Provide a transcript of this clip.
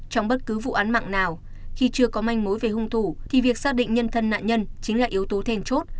trong bất cứ vụ án mạng nào khi chưa có manh mối về hung thủ thì việc xác định nhân thân nạn nhân chính là yếu tố thèn chốt